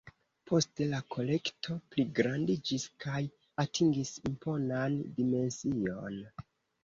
Poste la kolekto pligrandiĝis kaj atingis imponan dimension.